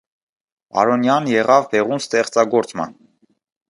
Պարոնեան եղաւ բեղուն ստեղծագործ մը։